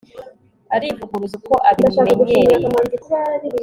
arivuguruza uko abimenyereye